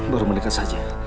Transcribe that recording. baru mendekat saja